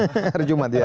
hari jumat ya